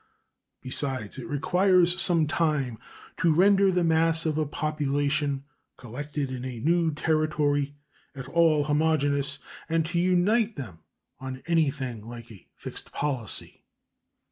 Besides, it requires some time to render the mass of a population collected in a new Territory at all homogeneous and to unite them on anything like a fixed policy.